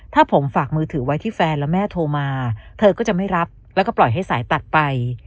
ถ้าผมฝากมือถือไว้ที่แฟนแล้วแม่โทรมาเธอก็จะไม่รับแล้วก็ปล่อยให้สายตัดไป